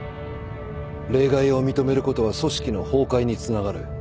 例外を認めることは組織の崩壊につながる。